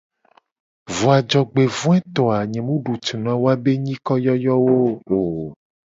Vo a jogbevoeto a nye mu du tu na woabe be nyikoyoyowo o.